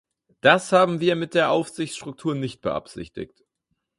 Das haben wir mit der Aufsichtsstruktur nicht beabsichtigt.